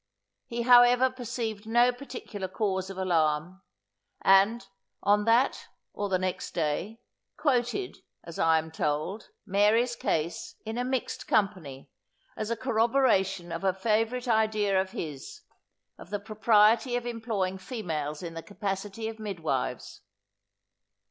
He however perceived no particular cause of alarm; and, on that or the next day, quoted, as I am told, Mary's case, in a mixed company, as a corroboration of a favourite idea of his, of the propriety of employing females in the capacity of midwives.